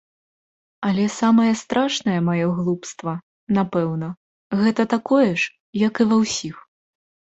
Але самае страшнае маё глупства, напэўна, гэта такое ж, як і ва ўсіх.